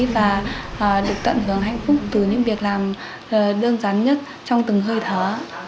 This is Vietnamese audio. và được tận hưởng hạnh phúc từ những việc làm đơn giản nhất trong từng hơi thở